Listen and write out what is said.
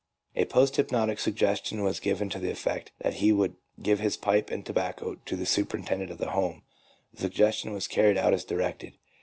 A post hypnotic suggestion was given to the effect that he would give his pipe and tobacco to the superintendent of the Home; the suggestion was carried out as directed.